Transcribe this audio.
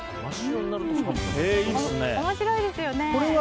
面白いですよね。